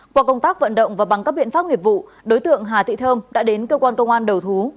qua công tác vận động và bằng các biện pháp nghiệp vụ đối tượng hà thị thơm đã đến cơ quan công an đầu thú